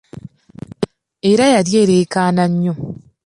Era yali ereekaana nnyo!